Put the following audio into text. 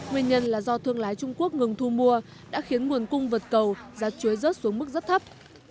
nguyên nhân là do thương lái trung quốc ngừng thu mua đã khiến nguồn cung vật cầu giá chuối rớt xuống mức rất thấp